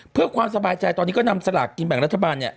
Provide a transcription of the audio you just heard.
เพื่อความสบายใจตอนนี้ก็นำสลากกินแบ่งรัฐบาล